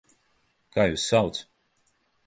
Kā jūs sauc?